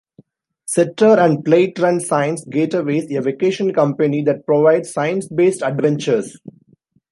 Setter and Plait run Science Getaways, a vacation company that provides science-based adventures.